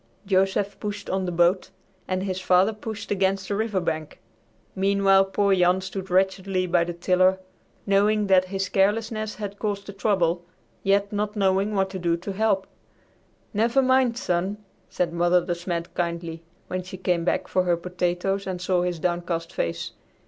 Joseph pushed on the boat and his father pushed against the river bank. Meanwhile poor Jan stood wretchedly by the tiller knowing that his carelessness had caused the trouble, yet not knowing what to do to help. "Never mind, son," said Mother De Smet kindly, when she came back for her potatoes and saw his downcast face.